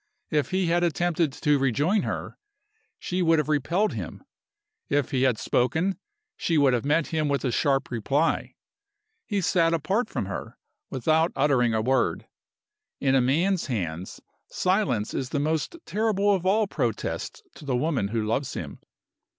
If he had attempted to rejoin her, she would have repelled him; if he had spoken, she would have met him with a sharp reply. He sat apart from her, without uttering a word. In a man's hands silence is the most terrible of all protests to the woman who loves him.